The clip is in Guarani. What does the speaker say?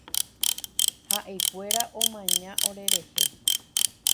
Ha’ekuéra omaña orerehe.